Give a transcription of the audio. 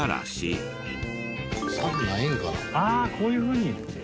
ああこういうふうに。